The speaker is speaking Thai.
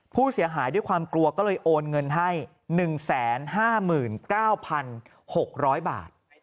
ผู้เสียหายด้วยความกลัวก็เลยโอนเงินให้๑๕๙๖๐๐บาท